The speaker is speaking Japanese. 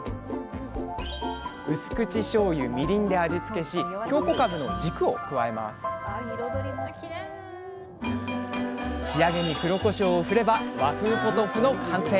うす口しょうゆみりんで味付けし京こかぶの軸を加えます仕上げに黒こしょうを振れば和風ポトフの完成。